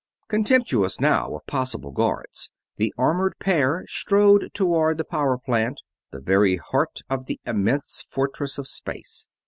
Contemptuous now of possible guards, the armored pair strode toward the power plant the very heart of the immense fortress of space.